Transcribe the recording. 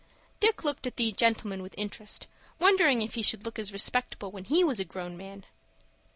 Dick looked at the gentleman with interest, wondering if he should look as respectable when he was a grown man.